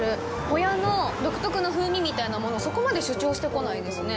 ほやの独特の風味みたいなものはそこまで主張してこないですね。